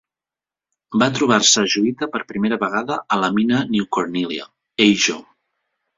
Va trobar-se ajoïta per primera vegada a la mina New Cornelia, Ajo.